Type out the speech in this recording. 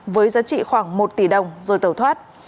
với giá trị khoảng một tỷ đồng rồi tẩu thoát